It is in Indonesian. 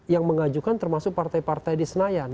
yang mengajukan termasuk partai partai di senayan